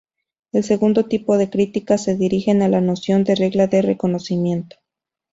El segundo tipo de críticas se dirigen a la noción de regla de reconocimiento.